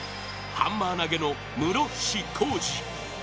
ハンマー投の室伏広治。